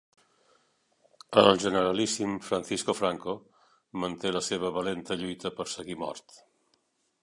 El generalíssim Francisco Franco manté la seva valenta lluita per seguir mort.